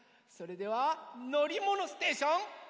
それでは「のりものステーション」。